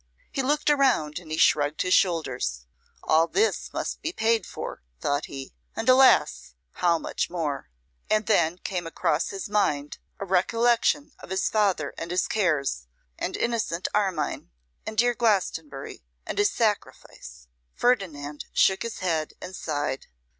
He looked around and he shrugged his shoulders: 'All this must be paid for,' thought he; 'and, alas! how much more!' And then came across his mind a recollection of his father and his cares, and innocent Armine, and dear Glastonbury, and his sacrifice. Ferdinand shook his head and sighed.